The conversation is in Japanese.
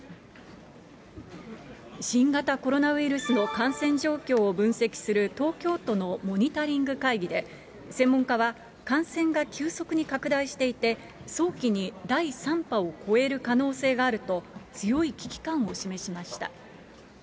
新型コロナウイルスの感染状況を分析する、東京都のモニタリング会議で、専門家は、感染が急速に拡大していて、早期に第３波を超える可能性があると、強い危機感を示しました。